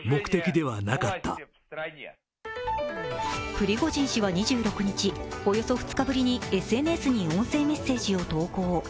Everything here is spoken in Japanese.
プリゴジン氏は２６日、およそ２日ぶりにＳＮＳに音声メッセージを投稿。